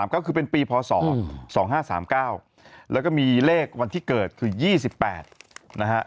ก็คือเป็นปีพศ๒๕๓๙แล้วก็มีเลขวันที่เกิดคือ๒๘นะฮะ